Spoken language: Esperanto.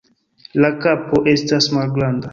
La kapo estas malgranda.